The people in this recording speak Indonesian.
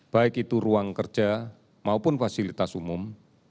baik itu ruang kerja maupun fasilitas umum